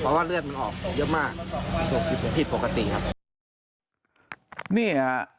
เพราะว่าเลือดมันออกเยอะมากผิดปกติครับ